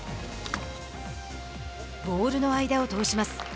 ボールの間を通します。